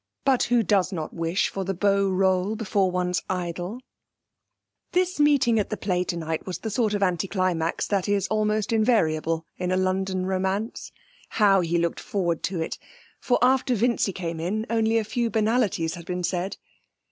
But who does not wish for the beau rôle before one's idol? This meeting at the play tonight was the sort of anti climax that is almost invariable in a London romance. How he looked forward to it! For after Vincy came in only a few banalities had been said.